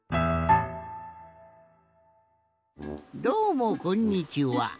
どうもこんにちは。